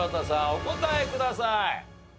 お答えください。